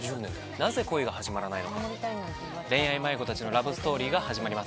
なぜ恋が始まらないのか恋愛迷子たちのラブストーリーが始まります